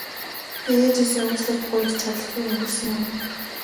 Би ээжээсээ уучлалт гуйж чадалгүй өнгөрсөн юм.